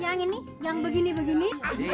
yang ini yang begini begini